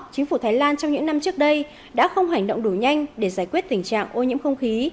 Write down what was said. chính phủ thái lan trong những năm trước đây đã không hành động đủ nhanh để giải quyết tình trạng ô nhiễm không khí